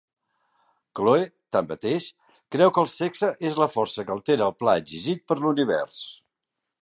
Chloe, tanmateix, creu que el sexe és la força que altera el pla exigit per l'univers.